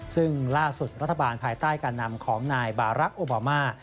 ซึ่งล่าสุดรัฐบาลภายใต้การนำของนายบารักษ์โอบามา